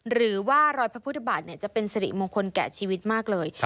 หรือว่ารอยพระพุทธบาทจะเป็นสิริมงคลแก่ชีวิตมากเลย